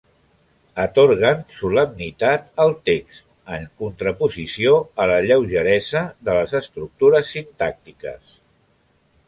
Atorguen solemnitat al text, en contraposició a la lleugeresa de les estructures sintàctiques.